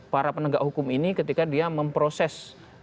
para penegak hukum ini ketika dia memproses